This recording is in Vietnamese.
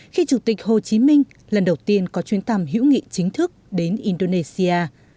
khi chủ tịch hồ chí minh lần đầu tiên có chuyến thăm hữu nghị chính thức đến indonesia